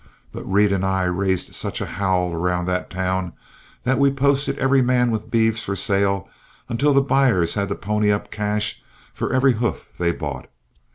But Reed and I raised such a howl around that town that we posted every man with beeves for sale until the buyers had to pony up the cash for every hoof they bought.